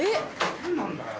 何なんだよ。